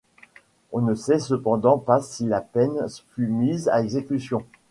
On ne sait cependant pas si la peine fut mise à exécution.